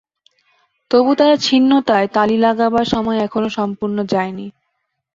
তবু তার ছিন্নতায় তালি লাগাবার সময় এখনো সম্পূর্ণ যায় নি।